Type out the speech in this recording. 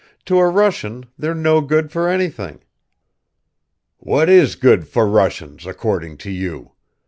To a Russian they're no good for anything!" "What is good for Russians according to you?